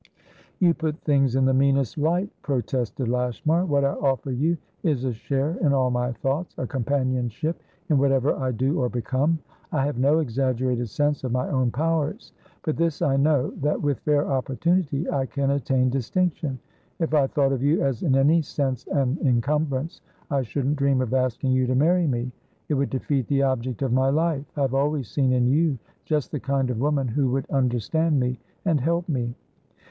"You put things in the meanest light," protested Lashmar. "What I offer you is a share in all my thoughts, a companionship in whatever I do or become. I have no exaggerated sense of my own powers, but this I know, that, with fair opportunity, I can attain distinction. If I thought of you as in any sense an encumbrance, I shouldn't dream of asking you to marry me; it would defeat the object of my life. I have always seen in you just the kind of woman who would understand me and help me."